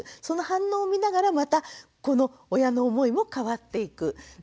その反応を見ながらまたこの親の思いも変わっていく。